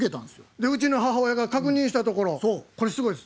でうちの母親が確認したところこれすごいです。